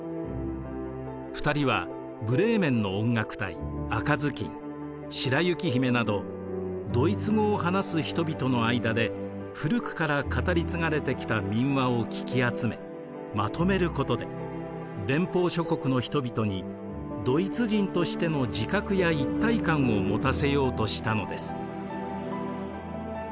２人は「ブレーメンの音楽隊」「赤ずきん」「白雪姫」などドイツ語を話す人々の間で古くから語り継がれてきた民話を聞き集めまとめることで連邦諸国の人々にドイツ人としての自覚や一体感を持たせようとしたのです。